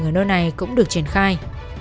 tình hình ở nơi này cũng được triển khai